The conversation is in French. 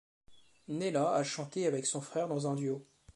Nella a chanté avec son frère dans un duo.